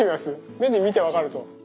目で見て分かると。